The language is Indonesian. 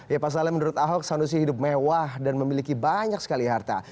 ya pak salem menurut ahok sanusi hidup mewah dan memiliki banyak sekali harta